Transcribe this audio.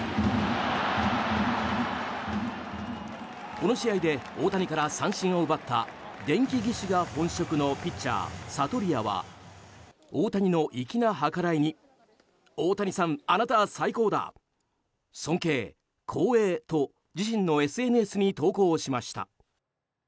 この試合で大谷から三振を奪った電気技師が本職のピッチャーサトリアは大谷の粋な計らいにオオタニサン、あなたは最高だ尊敬、光栄と自身のＳＮＳに投稿しました。